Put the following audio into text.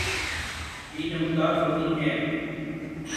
بھی نمودار ہوتی ہیں